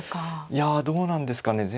いやどうなんですかね。